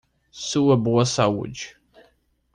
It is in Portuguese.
Sua boa saúde.